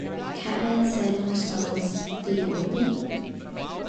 Catman said in response, The old me?